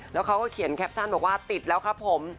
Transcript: แล้วเขาก็เขียนแคปชั่นบอกว่าติดแล้วครับผม